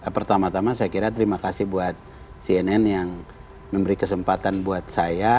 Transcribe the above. pertama tama saya kira terima kasih buat cnn yang memberi kesempatan buat saya